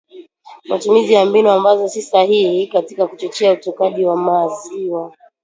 Matumizi ya mbinu ambazo si sahihi katika kuchochea utokaji wa maziwa